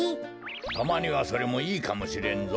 たまにはそれもいいかもしれんぞ。